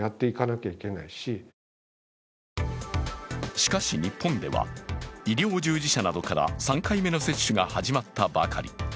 しかし日本では、医療従事者などから３回目の接種が始まったばかり。